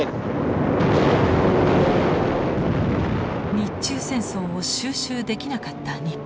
日中戦争を収拾できなかった日本。